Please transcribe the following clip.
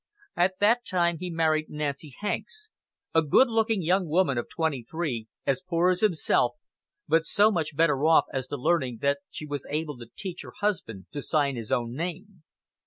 At that time he married Nancy Hanks, a good looking young woman of twenty three, as poor as himself, but so much better off as to learning that she was able to teach her husband to sign his own name.